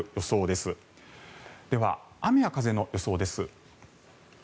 では、雨や風の予想です。